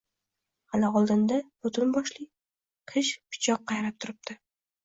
Hali oldinda butun boshli qish pichoq qayrab turibdi.